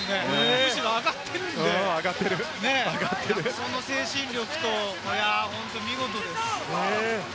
むしろ上がっているんで、その精神力、本当に見事です。